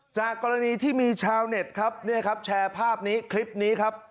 จากกรณีที่มีชาวเน็ตครับเนี่ยครับแชร์ภาพนี้คลิปนี้ครับ